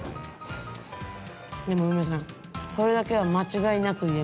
でもウメさんこれだけは間違いなく言えます。